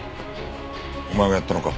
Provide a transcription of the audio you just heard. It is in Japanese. お前がやったのか？